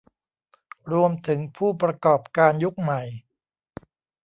รวมถึงผู้ประกอบการยุคใหม่